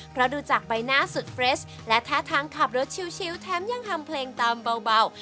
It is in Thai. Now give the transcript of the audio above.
เพราะดูจากใบหน้าสุดเฟรชและท่าทางขับรถชิวแถมยังทำเพลงตามเบา